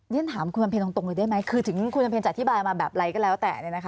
นื่นถามคุณวันเพนตรงเลยได้ไหมถึงคุณวันเพนจัดอธิบายมาแบบไรก็แล้วแต่